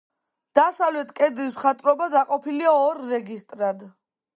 დასავლეთ კედლის მხატვრობა დაყოფილია ორ რეგისტრად.